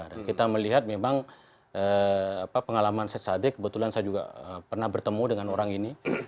dan kita melihat memang pengalaman syed sadiq kebetulan saya juga pernah bertemu dengan orang ini